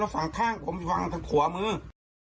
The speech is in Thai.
ฝั่งข้างผมฝั่งทั้งขัวมือ